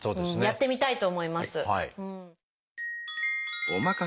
やってみたいと思います。